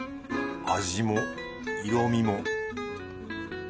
味も色味も。